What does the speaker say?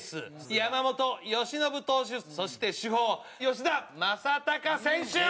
山本由伸投手そして主砲吉田正尚選手。